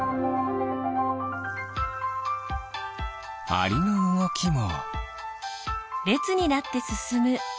アリのうごきも。